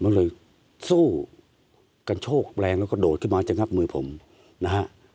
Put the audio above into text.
ก็เลยสู้กระโชกแรงแล้วก็โดดขึ้นมาจะงับมือผมนะฮะ